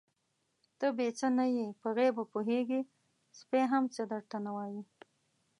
_ته بې څه نه يې، په غيبو پوهېږې، سپی هم څه نه درته وايي.